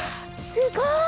すごい！